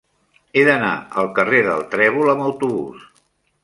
He d'anar al carrer del Trèvol amb autobús.